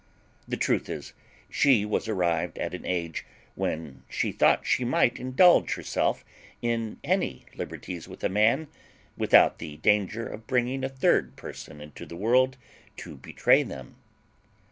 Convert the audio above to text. The truth is, she was arrived at an age when she thought she might indulge herself in any liberties with a man, without the danger of bringing a third person into the world to betray them.